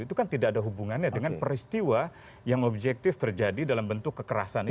itu kan tidak ada hubungannya dengan peristiwa yang objektif terjadi dalam bentuk kekerasan